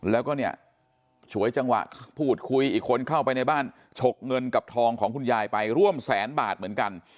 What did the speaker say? แล้วก็เนี่ยฉวยจังหวะพูดคุยอีกคนเข้าไปในบ้านฉกเงินกับทองของคุณยายไปร่วมแสนบาทเหมือนกัน